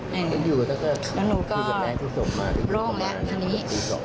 แล้วหนูก็โล่งแล้วคนนี้